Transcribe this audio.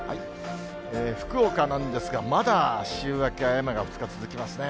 福岡なんですが、まだ週明けは雨が２日続きますね。